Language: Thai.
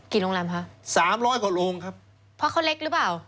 โรงแรมคะสามร้อยกว่าโรงครับเพราะเขาเล็กหรือเปล่า